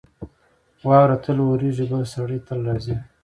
واوره تل اورېږي. بل سړی تل راځي.